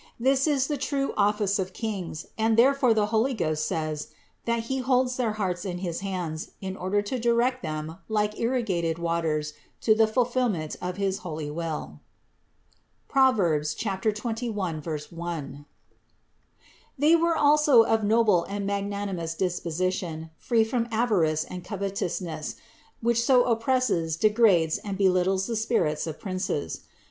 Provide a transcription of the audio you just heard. This is the true office of kings, and therefore the Holy 467 468 CITY OF GOD Ghost says, that He holds their hearts in his hands in order to direct them like irrigated waters to the fulfill ment of his holy will (Prov. 21, 1). They were also of noble and magnanimous disposition, free from avarice and covetousness, which so oppresses, degrades and be littles the spirits of princes.